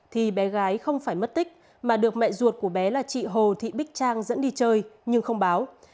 thì bé gái không phải mất tích mà được mẹ ruột của bé là chị hồ thị bích trang dẫn đi chơi nhưng không báo